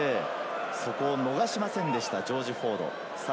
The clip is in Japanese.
そこを逃しませんでしたジョージ・フォード。